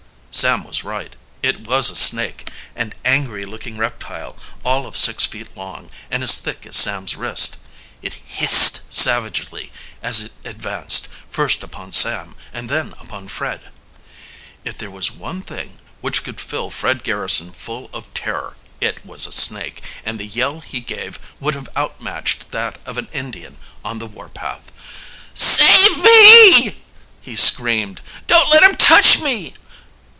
Sam was right; it was a snake an angry looking reptile all of six feet long, and as thick as Sam's wrist. It hissed savagely as it advanced, first upon Sam and then upon Fred. If there was one thing which could fill Fred Garrison full of terror it was a snake, and the yell he gave would have outmatched that of an Indian on the warpath. "Save me!" he screamed. "Don't let him touch me!"